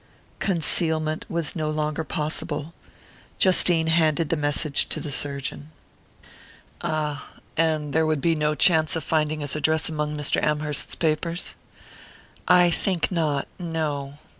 Concealment was no longer possible. Justine handed the message to the surgeon. "Ah and there would be no chance of finding his address among Mrs. Amherst's papers?" "I think not no."